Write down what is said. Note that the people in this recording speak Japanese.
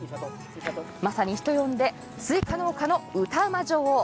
まさに人呼んで、スイカ農家の歌うま女王。